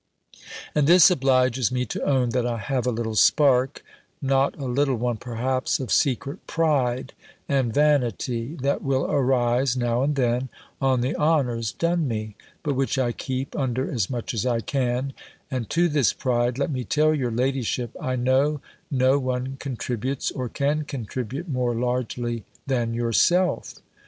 And this obliges me to own, that I have a little spark not a little one, perhaps of secret pride and vanity, that will arise, now and then, on the honours done me; but which I keep under as much as I can; and to this pride, let me tell your ladyship, I know no one contributes, or can contribute, more largely than yourself.